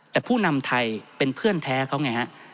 แต่ผู้นำไทยเป็นเพื่อนแท้เขาไงฮะ